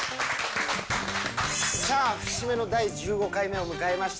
さあ、節目の第１５回目を迎えました。